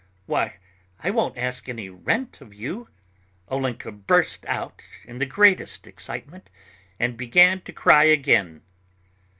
Why, I won't ask any rent of you," Olenka burst out in the greatest excitement, and began to cry again.